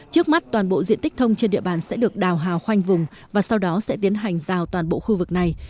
trước mắt toàn bộ diện tích thông trên địa bàn sẽ được đào hào khoanh vùng và sau đó sẽ tiến hành rào toàn bộ khu vực này